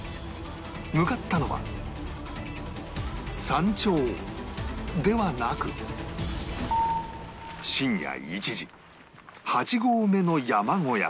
向かったのは山頂ではなく深夜１時８合目の山小屋